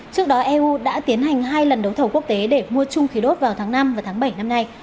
trước đó eu đã tiến hành hai lần đấu thầu quốc tế để mua chung khí đốt vào tháng năm và tháng bảy năm nay